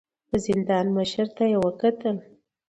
د زندان مشر ته يې وکتل.